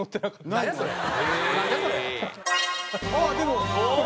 あっでも。